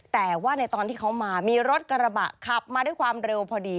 แต่ว่าในตอนที่เขามามีรถกระบะขับมาด้วยความเร็วพอดี